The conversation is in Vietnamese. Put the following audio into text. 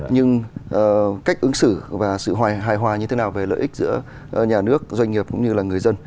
nhưng cách ứng xử và sự hài hòa như thế nào về lợi ích giữa nhà nước doanh nghiệp cũng như là người dân